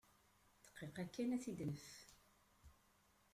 Dqiqa kan ad t-id-naf.